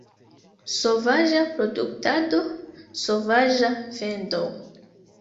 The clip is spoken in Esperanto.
Sovaĝa produktado, sovaĝa vendo.